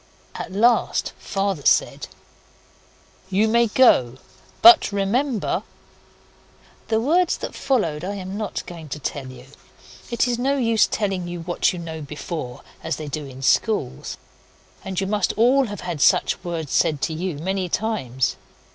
At last Father said 'You may go but remember ' The words that followed I am not going to tell you. It is no use telling you what you know before as they do in schools. And you must all have had such words said to you many times.